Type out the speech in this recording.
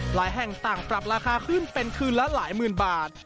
แห่งต่างปรับราคาขึ้นเป็นคืนละหลายหมื่นบาท